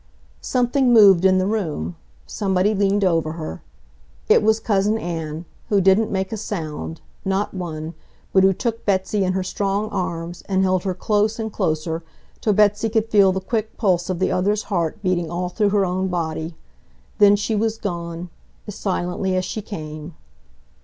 Something moved in the room. Somebody leaned over her. It was Cousin Ann, who didn't make a sound, not one, but who took Betsy in her strong arms and held her close and closer, till Betsy could feel the quick pulse of the other's heart beating all through her own body. Then she was gone—as silently as she came.